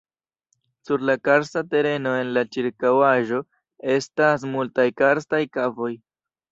Sur la karsta tereno en la ĉirkaŭaĵo estas multaj karstaj kavoj.